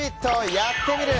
「やってみる。」。